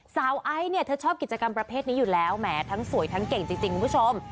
ไอซ์เนี่ยเธอชอบกิจกรรมประเภทนี้อยู่แล้วแหมทั้งสวยทั้งเก่งจริงคุณผู้ชม